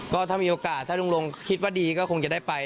ก็ถ้ามีโอกาสถ้าลุงลงคิดว่าดีก็คงจะได้ไป